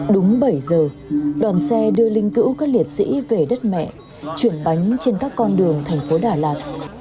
đúng bảy giờ đoàn xe đưa linh cữu các liệt sĩ về đất mẹ chuyển bánh trên các con đường thành phố đà lạt